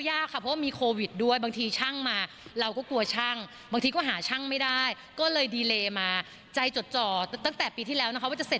อยากอยู่บ้านแล้ว